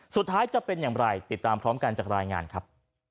จะเป็นอย่างไรติดตามพร้อมกันจากรายงานครับ